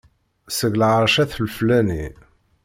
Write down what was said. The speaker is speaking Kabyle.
Seg lɛerc at leflani.